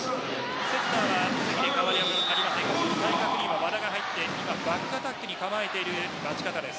セッターは関変わりありませんが対角に和田が入ってバックアタックに構えている待ち方です。